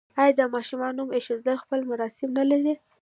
آیا د ماشوم نوم ایښودل خپل مراسم نلري؟